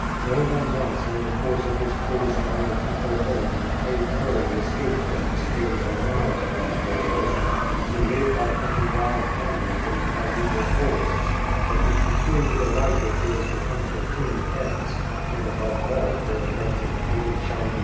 More than once in the course of his tours among the Pe po hoan Mackay narrowly escaped from the spears and knives of these warriors, who live by hunting wild animals in the primeval forests, but whose peculiar delight it is to hunt for human heads, and above all for the heads of the hated Chinese.